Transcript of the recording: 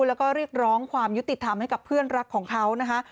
แล้วก็เรียกร้องความยุติธรรมให้กับเพื่อนรักของเขานะคะ